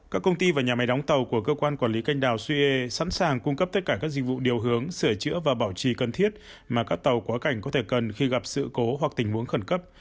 các công ty và nhà máy đóng tàu của cơ quan quản lý canh đào sue sẵn sàng cung cấp tất cả các dịch vụ điều hướng sửa chữa và bảo trì cần thiết mà các tàu quá cảnh có thể cần khi gặp sự cố hoặc tình huống khẩn cấp